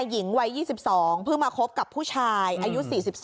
หญิงวัย๒๒เพิ่งมาคบกับผู้ชายอายุ๔๒